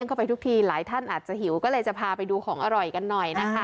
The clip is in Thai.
เข้าไปทุกทีหลายท่านอาจจะหิวก็เลยจะพาไปดูของอร่อยกันหน่อยนะคะ